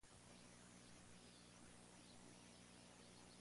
El más representativo es el "Laberinto".